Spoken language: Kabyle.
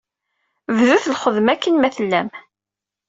Bdut lxedma, akken ma tellam.